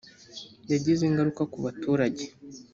yagize ingaruka ku baturage